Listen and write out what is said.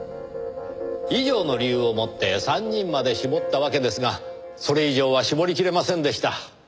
以上の理由をもって３人まで絞ったわけですがそれ以上は絞りきれませんでした。